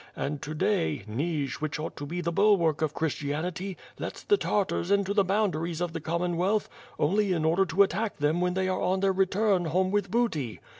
and to day— Nij, which ought to be the bulwark of Christianity lets the Tartars into the boundaries of the Commonwealth only in order to attack them when they are on their return home with booty.